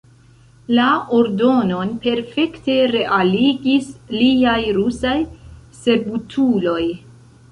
La ordonon perfekte realigis liaj rusaj servutuloj.